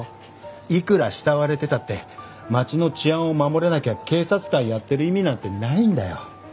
いくら慕われてたって町の治安を守れなきゃ警察官やってる意味なんてないんだよ。